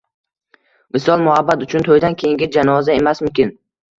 Visol muhabbat uchun to‘ydan keyingi janoza emasmikin?!